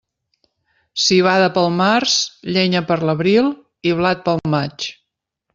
Civada pel març, llenya per l'abril i blat pel maig.